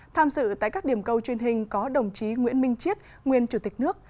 tham dự tại các điểm câu truyền hình có đồng chí nguyễn minh chiết nguyên chủ tịch nước